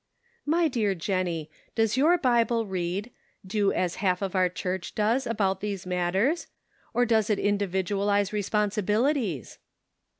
" My dear Jennie, does your Bible read, " Do as half of our church does about these matters,' or does it individualize responsi bilities